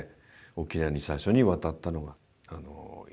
沖縄に最初に渡ったのが１回目で。